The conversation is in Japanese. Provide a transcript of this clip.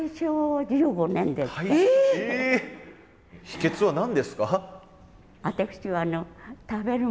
秘けつは何ですか？